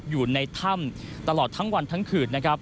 อยู่ในถ้ำตลอดทั้งวันทั้งขืน